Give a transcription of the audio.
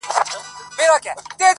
بېځایه لاسوهنه و مداخله کوي